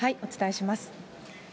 お伝えします。